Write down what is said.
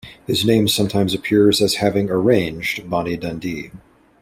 His name sometimes appears as having "arranged" "Bonnie Dundee".